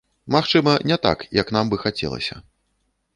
Магчыма, не так, як нам бы хацелася.